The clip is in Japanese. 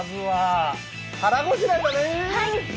はい。